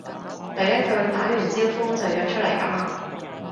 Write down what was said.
第一句打完招呼就約出嚟噉呀？